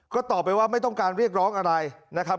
ก็ตอบไปว่าไม่ต้องการเรียกร้องอะไรนะครับ